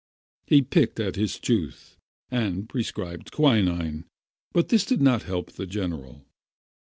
He picked at his tooth and pre scribed quinine, but this did not help the general.